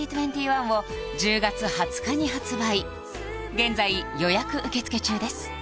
現在予約受付中です